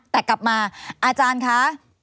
แต่กลับมาอาจารย์คะ